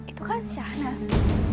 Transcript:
itu kan sahnas